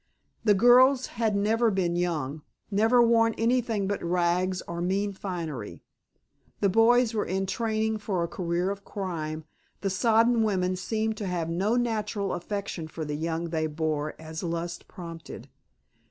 The girls had never been young, never worn anything but rags or mean finery, the boys were in training for a career of crime, the sodden women seemed to have no natural affection for the young they bore as lust prompted.